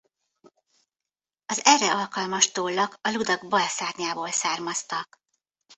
Az erre alkalmas tollak a ludak bal szárnyából származtak.